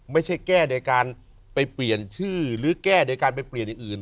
ไม่ใช่แก้โดยการไปเปลี่ยนชื่อหรือแก้โดยการไปเปลี่ยนอย่างอื่น